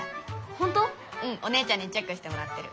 うんお姉ちゃんにチェックしてもらってる。